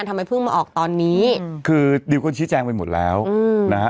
ทำไมเพิ่งมาออกตอนนี้คือดิวก็ชี้แจงไปหมดแล้วอืมนะฮะ